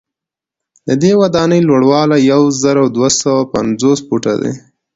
ددې ودانۍ لوړوالی یو زر دوه سوه پنځوس فوټه دی.